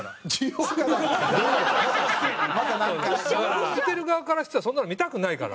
見てる側からしたらそんなの見たくないから。